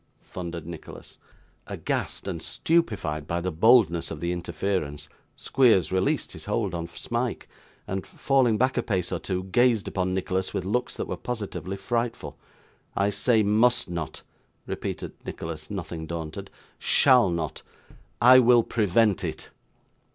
thundered Nicholas. Aghast and stupefied by the boldness of the interference, Squeers released his hold of Smike, and, falling back a pace or two, gazed upon Nicholas with looks that were positively frightful. 'I say must not,' repeated Nicholas, nothing daunted; 'shall not. I will prevent it.